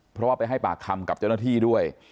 เพราะว่าไปให้ปากคำกับเจ้าหน้าที่ด้วย